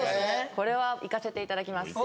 これはいかせていただきます